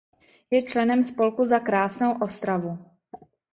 Je členem spolku "Za krásnou Ostravu".